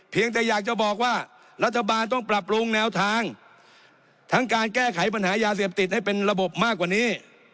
แต่อยากจะบอกว่ารัฐบาลต้องปรับปรุงแนวทางทั้งการแก้ไขปัญหายาเสพติดให้เป็นระบบมากกว่านี้